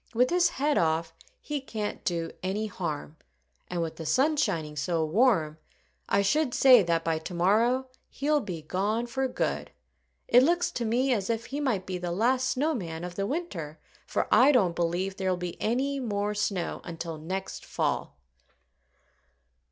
"With his head off, he can't do any harm. And with the sun shining so warm I should say that by to morrow he'll be gone for good. It looks to me as if he might be the last snow man of the winter, for I don't believe there'll be any more snow until next fall."